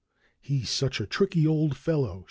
"He's such a tricky old fellow!"